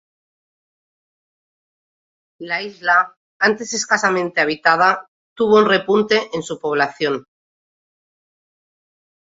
La isla, antes escasamente habitada, tuvo un repunte en su población.